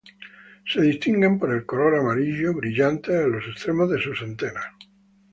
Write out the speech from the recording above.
Se distinguen por el color amarillo brillante de los extremos de sus antenas.